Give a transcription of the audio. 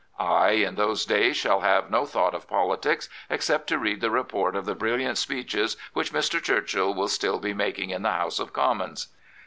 I, in those days, shall have no thought of politics except to read the report of the brilliant speeches which Mr. Churchill will still be making in the House of Commons.